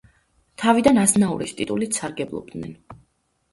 თავიდან აზნაურის ტიტულით სარგებლობდნენ.